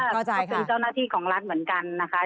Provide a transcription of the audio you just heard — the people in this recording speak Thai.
เพราะว่าเขาเป็นเจ้าหน้าที่ของรัฐเหมือนกันนะคะ